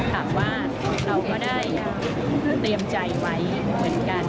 แต่ว่าเราก็ได้เตรียมใจไว้เหมือนกัน